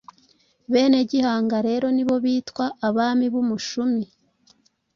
Bene Gihanga rero ni bo bitwa Abami b'Umushumi.